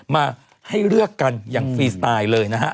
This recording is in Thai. มาให้เลือกกันอย่างฟรีสไตล์เลยนะฮะ